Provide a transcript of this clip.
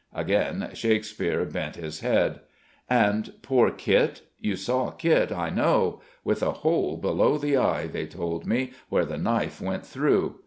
Again Shakespeare bent his head. "And poor Kit? You saw Kit, I know ... with a hole below the eye, they told me, where the knife went through.